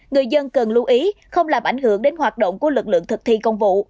người dân cần lưu ý không làm ảnh hưởng đến hoạt động của lực lượng thực thi công vụ